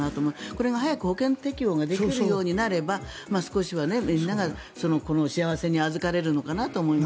これが早く保険適用ができるようになれば少しはみんながこの幸せにあずかれるのかなと思います。